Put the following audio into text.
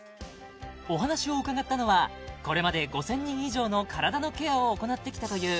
お話を伺ったのはこれまで５０００人以上の体のケアを行ってきたという